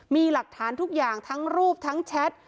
มีหลักฐานทุกอย่างทั้งรูปทั้งแชท